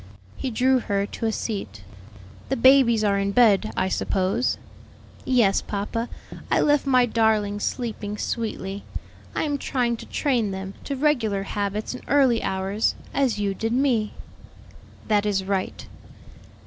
He drew her to a seat. "The babies are in bed, I suppose?" "Yes, papa; I left my darlings sleeping sweetly. I am trying to train them to regular habits and early hours, as you did me." "That is right."